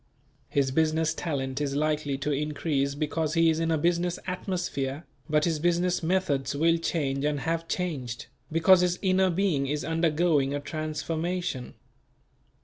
His business talent is likely to increase because he is in a business atmosphere; but his business methods will change and have changed, because his inner being is undergoing a transformation.